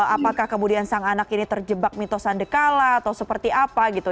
apakah kemudian sang anak ini terjebak mitosan dekala atau seperti apa gitu